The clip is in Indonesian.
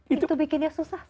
itu bikinnya susah